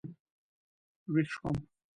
وېښ شوم.